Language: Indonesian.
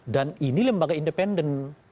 dan ini lembaga independen